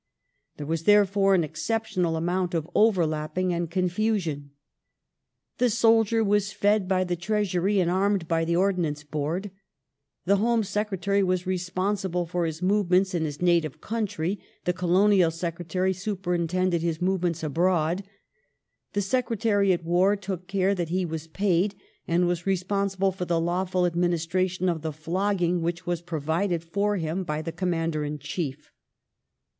There was therefore an exceptional amount of over lapping and confusion. "The soldier was fed by the Treasury and armed by the Ordnance Board ; the Home Secretary was responsible for his movements in his native country ; the Colonial Secretary superintended his movements abroad ; the Secretary at War took care that he was paid and was responsible for the lawful adminis tration of the flogging which was provided for him by the Com mander in Chief."